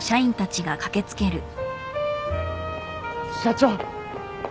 ・社長！